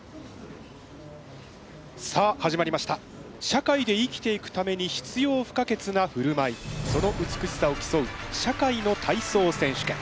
社会で生きていくために必要不可欠なふるまいその美しさを競う社会の体操選手権。